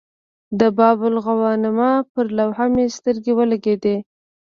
د باب الغوانمه پر لوحه مې سترګې ولګېدې.